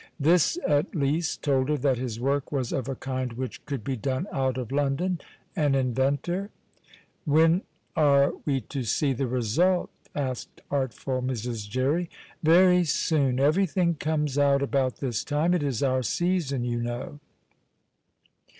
This, at least, told her that his work was of a kind which could be done out of London. An inventor? "When are we to see the result?" asked artful Mrs. Jerry. "Very soon. Everything comes out about this time. It is our season, you know."